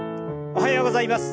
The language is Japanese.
おはようございます。